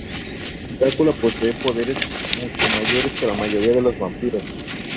Drácula posee poderes mucho mayores que la mayoría de los vampiros.